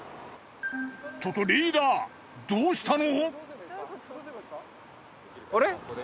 ちょっとリーダーどうしたの？